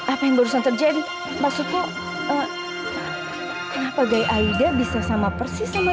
apa yang barusan terjadi maksudnya kenapa gaida bisa sama persis sama